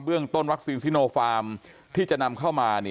เรื่องต้นวัคซีนซิโนฟาร์มที่จะนำเข้ามา